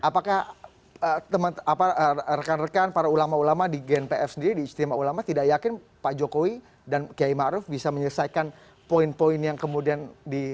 apakah rekan rekan para ulama ulama di gnpf sendiri di istimewa ulama tidak yakin pak jokowi dan kiai ⁇ maruf ⁇ bisa menyelesaikan poin poin yang kemudian di